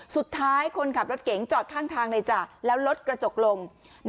คนขับรถเก๋งจอดข้างทางเลยจ้ะแล้วรถกระจกลง